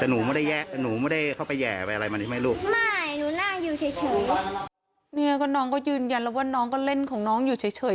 เนี่ยก็น้องก็ยืนยันแล้วว่าน้องก็เล่นของน้องอยู่เฉยเฉย